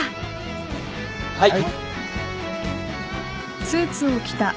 はい。